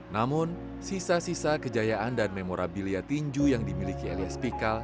namun sisa sisa kejayaan dan memorabilia tinju yang dimiliki elias pikal